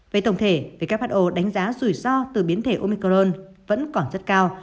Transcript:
về tổng thể who đánh giá rủi ro từ biến thể omicron vẫn còn rất cao